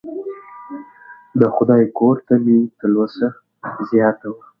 د خدای کور ته مې تلوسه زیاته وه.